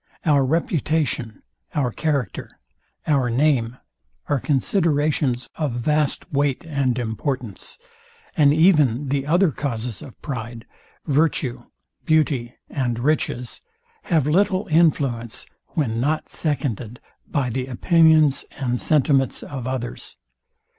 Our reputation, our character, our name are considerations of vast weight and importance; and even the other causes of pride; virtue, beauty and riches; have little influence, when not seconded by the opinions and sentiments of others.